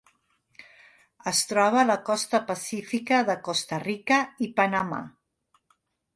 Es troba a la costa pacífica de Costa Rica i Panamà.